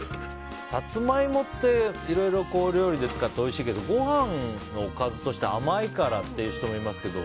サツマイモっていろいろ料理で使っておいしいけどご飯のおかずとして甘いからって人もいますけど。